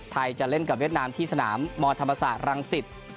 จะเล่นกับเวียดนามที่สนามมธรรมศาสตรังสิต